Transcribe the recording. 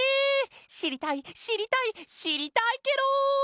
しりたいしりたいしりたいケロ！